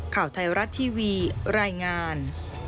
ข่าวไทยรัฐทีวีรายงาน